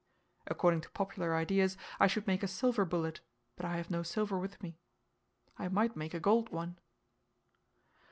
According to popular ideas, I should make a silver bullet, but I have no silver with me. I might make a gold one.